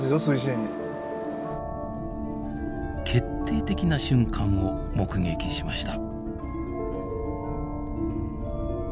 決定的な瞬間を目撃しました。